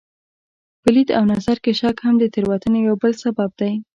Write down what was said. په لید او نظر کې شک هم د تېروتنې یو بل سبب دی.